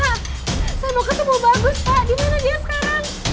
saya mau ketemu bagus pak dimana dia sekarang